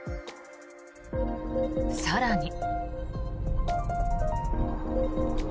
更に。